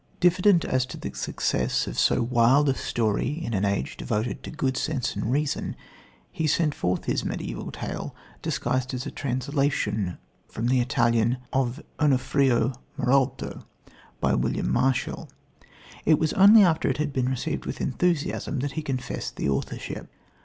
Diffident as to the success of so "wild" a story in an age devoted to good sense and reason, he sent forth his mediaeval tale disguised as a translation from the Italian of "Onuphrio Muralto," by William Marshall. It was only after it had been received with enthusiasm that he confessed the authorship.